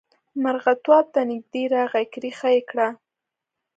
مرغه تواب ته نږدې راغی کريغه یې کړه.